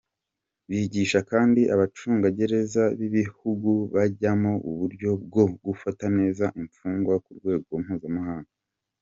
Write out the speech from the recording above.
Bigisha kandi abacungagereza b’ibihugu bajyamo uburyo bwo gufata neza imfungwa ku rwego mpuzamahanga.